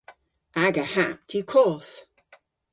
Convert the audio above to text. Aga hatt yw koth.